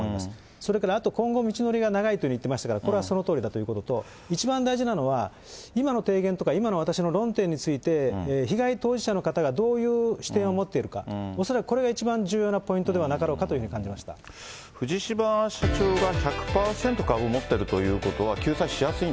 それからあと今後、道のりは長いというふうに言っていましたが、これはそのとおりだということと、一番大事なのは、今の提言とか、今の私の論点について、被害当事者の方がどういう視点を持っているか、恐らくこれが一番重要なポイントではなかろうかというふうに感じ洗っても落ちないニオイの原因菌の隠れ家。